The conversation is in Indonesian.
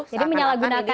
jadi menyalahgunakan nama